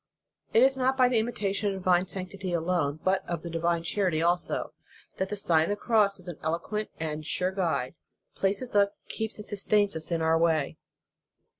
291 It is not by the imitation of the divine sanctity alone, but of the divine charity also, that the Sign of the Cross, as an eloquent and sure guide, places us, keeps and sustains us in our way.